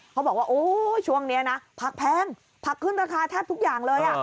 เขาบอกว่าโอ้ยช่วงนี้นะผักแพงผักขึ้นราคาแทบทุกอย่างเลย